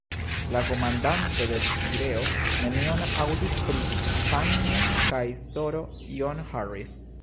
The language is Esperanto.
La komandanto de Pireo nenion aŭdis pri Fanni kaj S-ro John Harris.